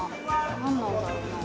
何なんだろうなあ。